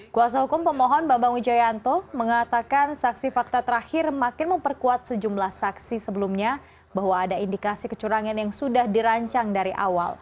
kuasa hukum pemohon bambang wijayanto mengatakan saksi fakta terakhir makin memperkuat sejumlah saksi sebelumnya bahwa ada indikasi kecurangan yang sudah dirancang dari awal